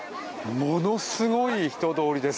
ものすごい人通りです。